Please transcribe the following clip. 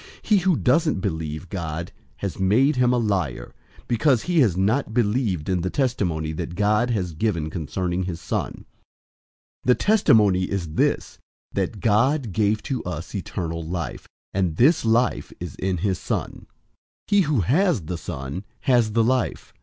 He who doesn't believe God has made him a liar, because he has not believed in the testimony that God has given concerning his Son. 005:011 The testimony is this, that God gave to us eternal life, and this life is in his Son. 005:012 He who has the Son has the life.